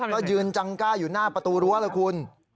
ก็ยืนจังก้าอยู่หน้าประตูรั้วละคุณ